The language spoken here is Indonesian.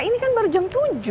ini kan baru jam tujuh